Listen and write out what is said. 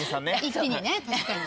一気にね確かに。